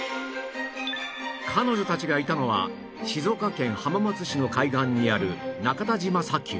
彼女たちがいたのは静岡県浜松市の海岸にある中田島砂丘